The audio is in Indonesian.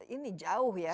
ini jauh ya